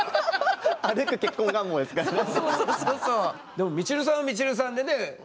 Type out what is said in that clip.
でもみちるさんはみちるさんでね。